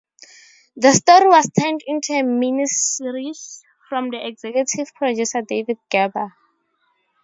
The story was turned into a miniseries, from the executive producer David Gerber.